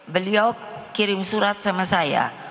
beliau kirim surat sama saya